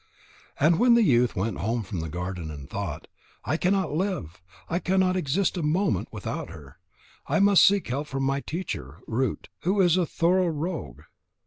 And the youth went home from the garden, and thought: "I cannot live, I cannot exist a moment without her. I must seek help from my teacher Root, who is a thorough rogue."